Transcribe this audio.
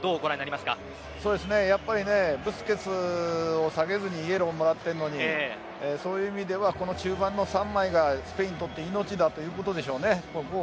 そうですね、やっぱりねブスケツを下げずにイエローをもらっているのにそういう意味ではこの中盤の３枚がスペインにとって命だということでしょうね。